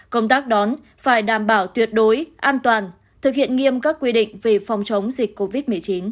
công tác đón phải đảm bảo tuyệt đối an toàn thực hiện nghiêm các quy định về phòng chống dịch covid một mươi chín